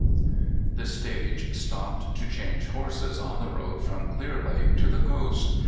THE stage stopped to change horses on the road from Clear Lake to the coast.